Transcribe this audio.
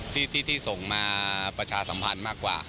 ที่ส่งมาประชาสัมพันธ์มากกว่า